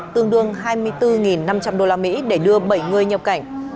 tương đương hai mươi bốn năm trăm linh usd để đưa bảy người nhập cảnh